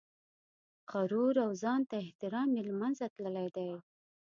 غرور او ځان ته احترام یې له منځه تللي دي.